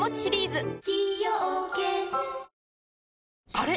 あれ？